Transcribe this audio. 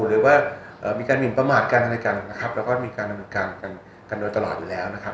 หรือว่ามีการหมินประมาทกันอะไรกันนะครับแล้วก็มีการดำเนินการกันโดยตลอดอยู่แล้วนะครับ